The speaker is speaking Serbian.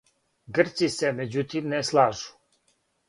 Грци се међутим не слажу.